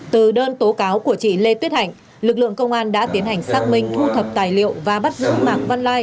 từ đơn tố cáo của chị lê tuyết hạnh lực lượng công an đã tiến hành xác minh thu thập tài liệu và bắt giữ mạng văn lai